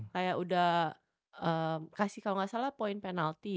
kayak udah kasih kalo gak salah point penalti ya